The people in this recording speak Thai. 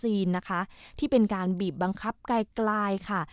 สปอร์ตวัคซีนนะคะที่เป็นการบีบบังคับไกลไกลค่ะ